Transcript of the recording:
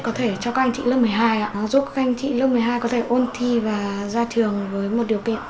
có thể cho các anh chị lớp một mươi hai giúp các anh chị lớp một mươi hai có thể ôn thi và ra trường với một điều kiện